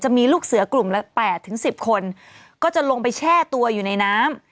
มีลูกเสือกลุ่มละ๘๑๐คนก็จะลงไปแช่ตัวอยู่ในน้ำ